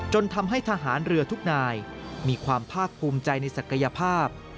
จนทำให้ทหารเรือทุกนายมีความภาคภูมิใจในศักยภาพ